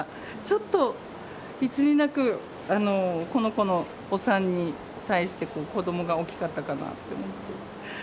ちょっといつになくあのこの子のお産に対して子どもが大きかったかなと思って。